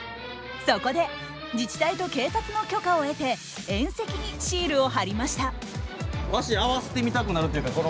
そこで自治体と警察の許可を得て縁石にシールを貼りました。